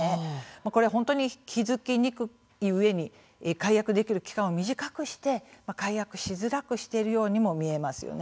これは気付きにくいうえに解約できる期間を短くして解約しづらくしているようにも見えますよね。